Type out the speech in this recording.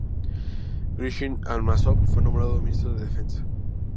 Grishin-Almazov fue nombrado Ministro de Defensa.